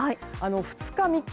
２日、３日。